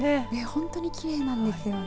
本当にきれいなんですよね。